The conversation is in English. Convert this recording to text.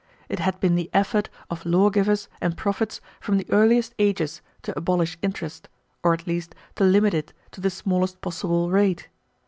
It had been the effort of lawgivers and prophets from the earliest ages to abolish interest, or at least to limit it to the smallest possible rate.